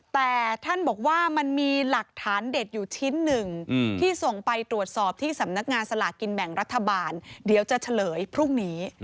แต่ท่านบอกว่ามันมีหลักฐานเด็ดอยู่ชิ้นหนึ่งที่ส่งไปตรวจสอบที่สำนักงานสลากินแบ่งรัฐบาลเดี๋ยวจะเฉลยพรุ่งนี้